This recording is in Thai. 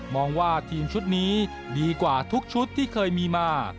มองว่าทีมชุดนี้ดีกว่าทุกชุดที่เคยมีมา